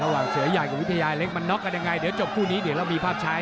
ระหว่างเสียใหญ่อยากว่าวิทยายลนกันยังไงเดี๋ยวจบคู่นี้เดี๋ยวเรามีภาพชาติ